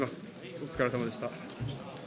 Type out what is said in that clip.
お疲れさまでした。